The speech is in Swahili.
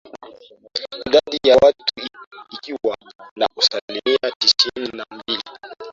Idadi ya watu ikiwa na asilimia tisini na mbili